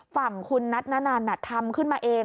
ฝั่งคุณนัทนานันทำขึ้นมาเอง